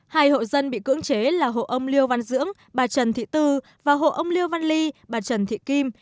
hai hộ dân bị cưỡng chế là hộ ông liêu văn dưỡng bà trần thị tư và hộ ông liêu văn ly bà trần thị kim